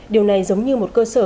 điều này giống như một cơ sở